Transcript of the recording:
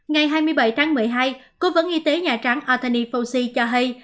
ngày hai mươi bảy tháng một mươi hai cố vấn y tế nhà trắng anthony fauci cho hay